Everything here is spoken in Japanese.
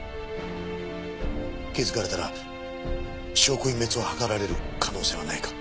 気づかれたら証拠隠滅を図られる可能性はないか？